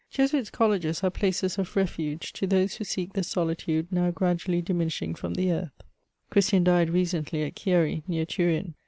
Jesuits* Colleges are plaaes of refuge to f those who seek the solitude now gradually diminishing ^m the earth. Christian died recently at Chieri, near Turin.